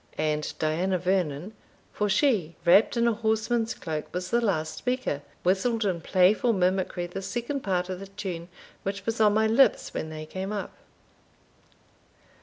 And Diana Vernon for she, wrapped in a horseman's cloak, was the last speaker whistled in playful mimicry the second part of the tune which was on my lips when they came up.